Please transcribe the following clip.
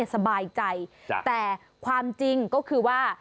สบายใจแต่ความจริงก็คือว่า